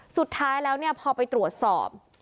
สุดท้ายแล้วเนี่ยพอไปตรวจสอบ